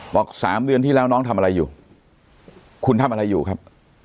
๓เดือนที่แล้วน้องทำอะไรอยู่คุณทำอะไรอยู่ครับ